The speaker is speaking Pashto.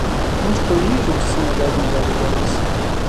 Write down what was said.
موږ پوهیږو چې څنګه باید مبارزه وشي.